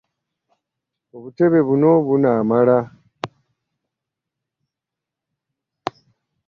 Obutebe buno bunaamala.